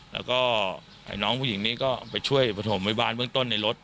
แล้วก็น้องผู้หญิงนี้ก็ไปช่วยประถมพยาบาลเบื้องต้นในรถ